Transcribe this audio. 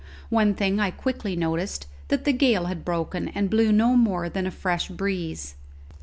One thing I quickly noticed, that the gale had broken and blew no more than a fresh breeze.